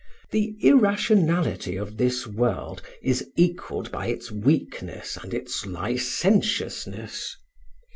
The irrationality of this world is equaled by its weakness and its licentiousness.